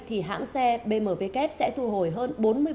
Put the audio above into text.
thì hãng xe bmw kép sẽ thu hồi hơn